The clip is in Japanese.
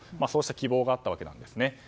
そうした希望があったんですね。